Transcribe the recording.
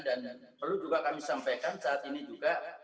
dan perlu juga kami sampaikan saat ini juga